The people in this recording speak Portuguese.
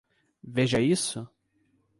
Veja isso?